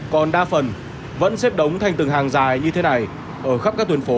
còn đa phần vẫn xếp đống thành từng hàng dài như thế này ở khắp các tuyến phố